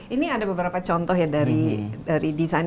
ini ada beberapa contoh ya dari desain